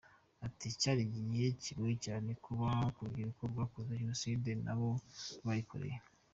Ati “Cyari igihe kigoye cyane haba ku rubyiruko rwakoze Jenoside n’abo rwayikoreye.